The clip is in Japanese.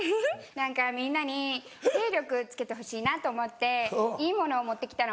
何かみんなに精力つけてほしいなと思っていいものを持って来たの。